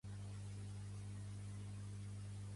Com utilitzen els sastres el talc?